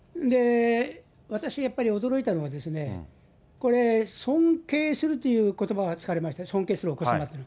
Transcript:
私がやっぱり驚いたのは、これ、尊敬するということばが使われました、尊敬するお子様って。